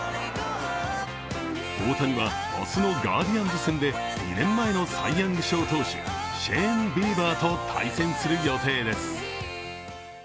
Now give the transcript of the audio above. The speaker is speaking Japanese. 大谷は明日のガーディアンズ戦で２年前のサイ・ヤング賞投手、シェーン・ビーバーと対戦する予定です。